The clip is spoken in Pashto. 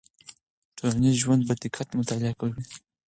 ټولنیز ژوند په دقت مطالعه کړئ.